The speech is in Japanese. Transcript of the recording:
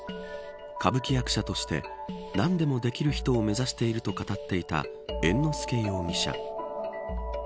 歌舞伎役者として何でもできる人を目指していると語っていた猿之助容疑者。